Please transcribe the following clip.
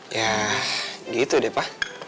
yah gitu deh pa